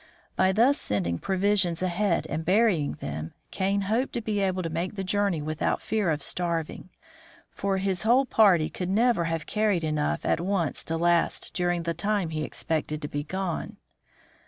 By thus sending provisions ahead and burying them, Kane hoped to be able to make the journey without fear of starv ing ; for his whole party could never have carried enough at once to last during the time he expected to be gone.